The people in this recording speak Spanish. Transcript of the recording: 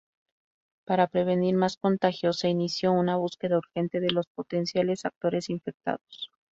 Para prevenir más contagios, se inició una búsqueda urgente de los potenciales actores infectados.